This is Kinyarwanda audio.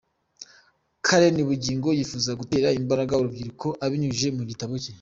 Karen Bugingo yifuza gutera imbaraga urubyiruko abinyujije mu gitabo cye.